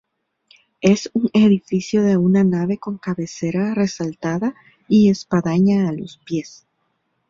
Es un edificio de una nave con cabecera resaltada y espadaña a los pies.